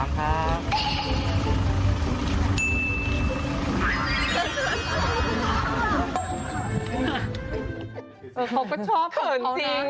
ไม่ชอบมากเลย